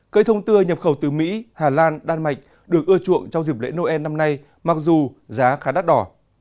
cây thông tươi nhập khẩu từ mỹ hà lan đan mạch được ưa chuộng trong dịp lễ noel năm nay mặc dù giá khá đắt đỏ